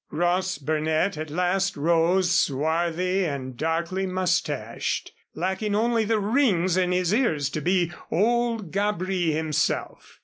Ross Burnett at last rose swarthy and darkly mustached, lacking only the rings in his ears to be old Gabri himself.